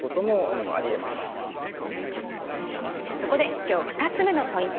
そこで今日２つ目のポイント